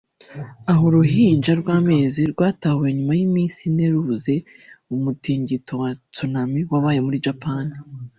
Aha uruhinja rw'amezi rwatahuwe nyuma y'iminsi ine rubuze mu mutingito wa Tsunami wabaye muri Japan